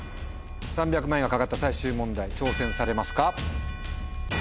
３００万円が懸かった最終問題挑戦されますか？